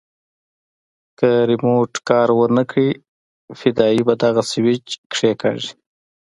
که ريموټ کار ونه کړي فدايي به دغه سوېچ کښېکاږي.